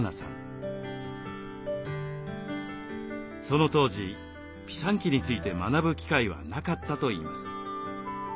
その当時ピサンキについて学ぶ機会はなかったといいます。